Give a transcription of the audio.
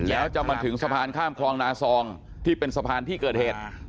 แล้วจะมาถึงสะพานข้ามคลองนาซองที่เป็นสะพานที่เกิดเหตุ